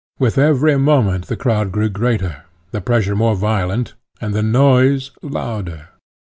With every moment the crowd grew greater, the pressure more violent, and the noise louder.